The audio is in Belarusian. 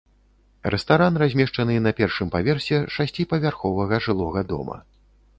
Рэстаран размешчаны на першым паверсе шасціпавярховага жылога дома.